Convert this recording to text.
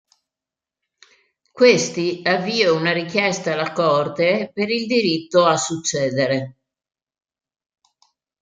Questi avvio una richiesta alla Corte per il diritto a succedere.